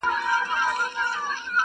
• چا د خپل بلال ږغ نه دی اورېدلی -